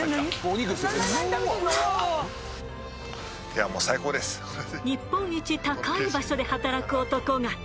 いやもう日本一高い場所で働く男が。